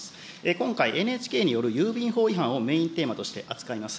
今回、ＮＨＫによる郵便法違反をメインテーマとして扱います。